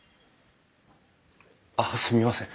あっすみません。